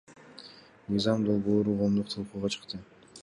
Мыйзам долбоору коомдук талкууга чыкты.